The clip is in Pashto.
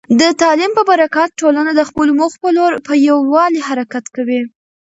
د تعلیم په برکت، ټولنه د خپلو موخو په لور په یووالي حرکت کوي.